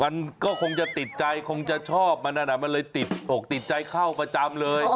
มันก็คงจะติดใจคงจะชอบมันนั่นมันเลยติดอกติดใจเข้าประจำเลย